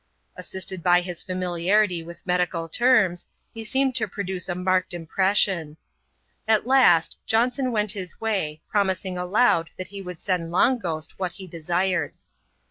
Assisted by his familiarity with medical terms, he seemed to produce a marked impression. At last, Johnson went his way, promising alond that he would send Long Ghost what he desired.